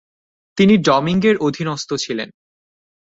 তিনি ডমিঙ্গের অধীনস্থ ছিলেন।